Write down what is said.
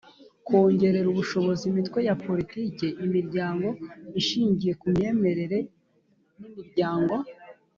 kongerera ubushobozi imitwe ya politiki imiryango ishingiye ku myemerere n imiryango